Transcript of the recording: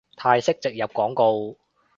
泰式植入廣告